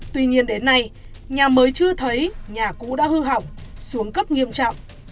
tuy nhiên đến nay nhà mới chưa thấy nhà cũ đã hư hỏng xuống cấp nghiêm trọng